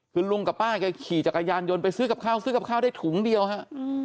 คือลุงกับป้าแกขี่จักรยานยนต์ไปซื้อกับข้าวซื้อกับข้าวได้ถุงเดียวฮะ